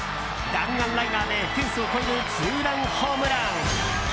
弾丸ライナーでフェンスを越えるツーランホームラン。